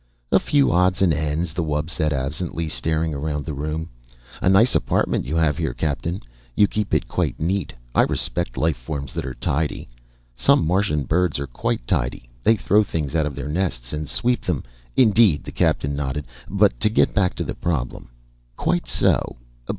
"A few odds and ends," the wub said absently, staring around the room. "A nice apartment you have here, Captain. You keep it quite neat. I respect life forms that are tidy. Some Martian birds are quite tidy. They throw things out of their nests and sweep them " "Indeed." The Captain nodded. "But to get back to the problem " "Quite so.